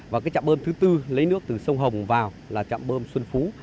và trạm bơm thứ bốn lấy nước từ sông hồng vào là trạm bơm xuân phú